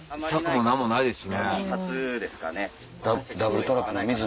柵も何もないですしね。